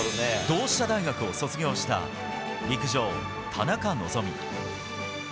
同志社大学を卒業した陸上、田中希実。